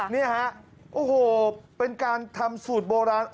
นี่ฮะโอ้โหเป็นการทำสูตรโบราณ